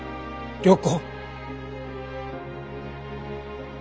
良子。